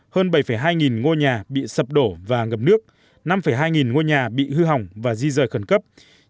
hơn bảy hai nghìn ngôi nhà bị sập đổ và ngập nước năm hai nghìn ngôi nhà bị hư hỏng và di rời khẩn cấp